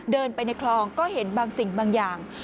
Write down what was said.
เดินไปในคลองก็เห็นบางสิ่งบางอย่าง